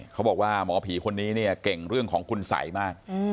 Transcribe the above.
เขาบอกว่าหมอผีคนนี้เนี่ยเก่งเรื่องของคุณสัยมาก